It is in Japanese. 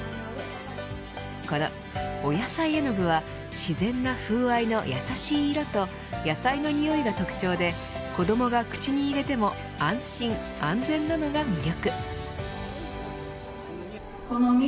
このおやさい絵具は自然な風合いの優しい色と野菜の匂いが特徴で子どもが口に入れても安心に安全なのが魅力。